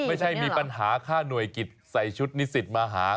ไม่ใช่มีปัญหาค่าหน่วยกิจใส่ชุดนิสิตมาหา